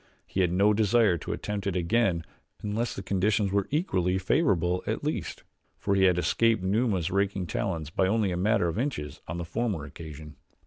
He had no desire to attempt it again unless the conditions were equally favorable at least, for he had escaped Numa's raking talons by only a matter of inches on the former occasion.